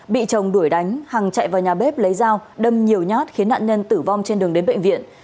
bị chồng đuổi đánh hằng chạy vào nhà bếp lấy dao đâm nhiều nhát khiến nạn nhân tử vong trên đường đến bệnh viện